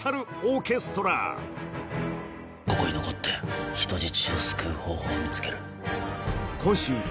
ここに残って人質を救う方法を見つける。